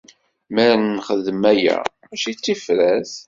Mer ad nexdem aya, mačči d tifrat.